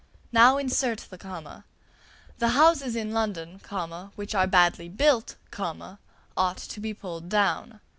Now insert the comma: "The houses in London, which are badly built, ought to be pulled down."